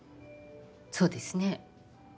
そうですね。